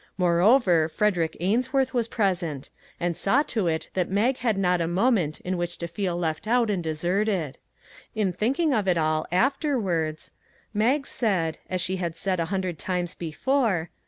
Moreover, Frederick Ainsworth was present, 368 "EXCELLENT" and saw to it that Mag had not a moment in which to feel left out and deserted. In thinking of it all, afterwards, Mag said, as she had said a hundred times before.